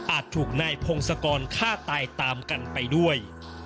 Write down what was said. ถูกนายพงศกรฆ่าตายตามกันไปด้วย